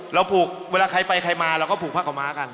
ผูกเวลาใครไปใครมาเราก็ผูกผ้าขาวม้ากัน